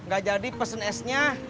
gak jadi pesen esnya